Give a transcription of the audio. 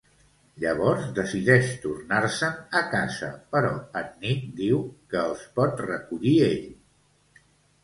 Llavors decideix tornar-se'n a casa, però en Nick diu que els pot recollir ell.